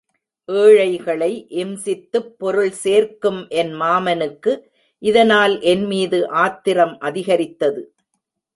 ஏழைகளை இம்சித்துப் பொருள்சேர்க்கும் என் மாமனுக்கு இதனால் என்மீது ஆத்திரம் அதிகரித்தது.